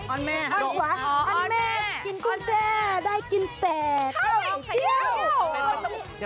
ออนแม่กินกุ้งแช่ได้กินแต่ไข่เตี้ยว